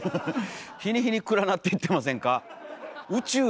日に日に暗なっていってませんか。